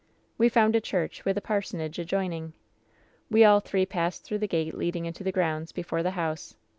"We found a church, with a parsonage adjoining. "We all three passed through the gate leading into the grounds before the house.